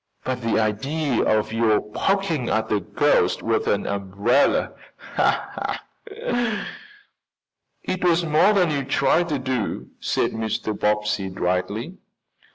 "But the idea of your poking at a ghost with an umbrella!" "It was more than you tried to do," said Mr. Bobbsey dryly.